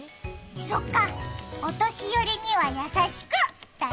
そっか、お年寄りには優しく、だね！